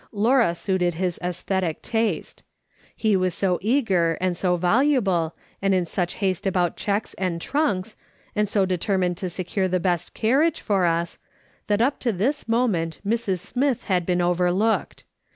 Laura suited his testhetic taste. He was so eager, and so voluble, and in such haste about checks and trunks, and so determined to secure the best carriage for us, that up to this moment Mrs. Smith had been overlooked.